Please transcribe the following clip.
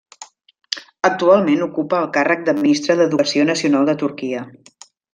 Actualment ocupa el càrrec de Ministre d'Educació Nacional de Turquia.